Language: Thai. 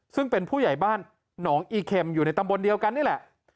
ซึ่งเป็นผู้ใหญ่บ้านหนองอีเข็มอยู่ในตำบลเดียวกันนี่แหละ